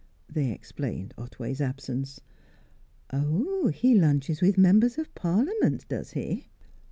They explained Otway's absence. "Oh, he lunches with Members of Parliament, does he?"